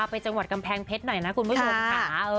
ไปจังหวัดกำแพงเพชรหน่อยนะคุณผู้ชมค่ะ